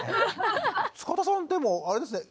塚田さんでもあれですね